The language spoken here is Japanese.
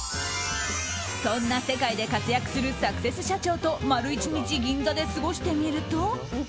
そんな世界で活躍するサクセス社長と丸１日、銀座で過ごしてみると。